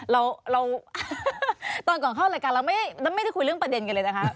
เราตอนก่อนเข้ารายการเราไม่ได้คุยเรื่องประเด็นกันเลยนะคะ